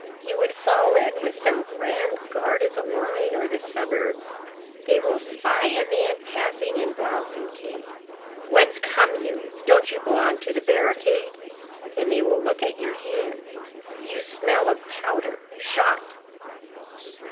You would fall in with some grand guard of the line or the suburbs; they will spy a man passing in blouse and cap. 'Whence come you?' 'Don't you belong to the barricade?' And they will look at your hands. You smell of powder. Shot."